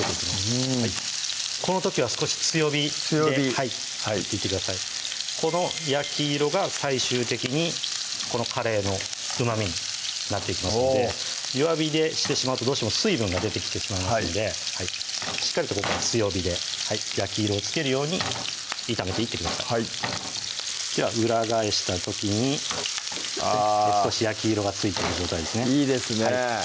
うんこの時は少し強火でいってくだいこの焼き色が最終的にこのカレーのうまみになっていきますので弱火でしてしまうとどうしても水分が出てきてしまいますのでしっかりとここは強火で焼き色をつけるように炒めていってくださいでは裏返した時にあ少し焼き色がついてる状態ですねいいですね